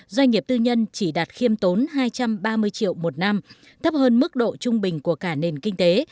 doanh nghiệp tư nhân chỉ đạt khiêm tốn hai trăm ba mươi triệu một năm thấp hơn mức độ trung bình của cả nền kinh tế